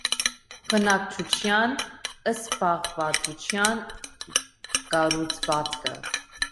Բնակչության զբաղվածության կառուցվածքը։